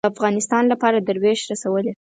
د افغانستان لپاره دروېش رسولې